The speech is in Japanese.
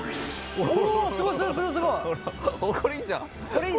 これいいじゃん。